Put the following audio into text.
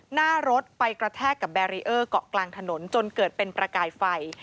หน้ารถไปกระแทกกับแบรีเออร์เกาะกลางถนนจนเกิดเป็นประกายไฟ